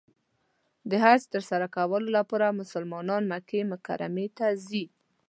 د حج تر سره کولو لپاره مسلمانان مکې مکرمې ته ځي .